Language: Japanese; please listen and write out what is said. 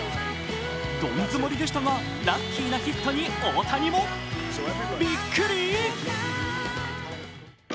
どん詰まりでしたがラッキーなヒットに大谷もビックリ。